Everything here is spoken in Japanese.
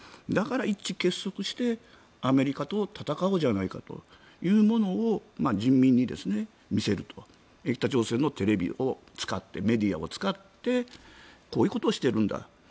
だから一致結束して、アメリカと戦おうじゃないかというものを人民に見せるといったテレビを使ってメディアを使ってこういうことをしているんだと。